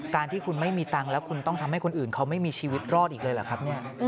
การที่คุณไม่มีตังค์แล้วคุณต้องทำให้คนอื่นเขาไม่มีชีวิตรอดอีกเลยเหรอครับเนี่ย